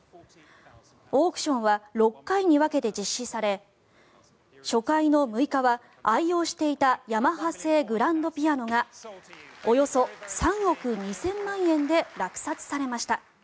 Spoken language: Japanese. オークションは６回に分けて実施され初回の６日は、愛用していたヤマハ製グランドピアノがおよそ３億２０００万円で落札されました。